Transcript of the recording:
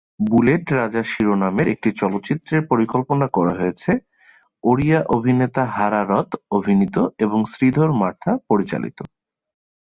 Bullet Raja শিরোনামের একটি চলচ্চিত্রের পরিকল্পনা করা হয়েছে ওড়িয়া অভিনেতা হারা রথ অভিনীত এবং শ্রীধর মার্থা পরিচালিত।